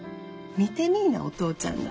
見てみいなお父ちゃんら。